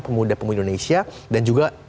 pemuda pemuda indonesia dan juga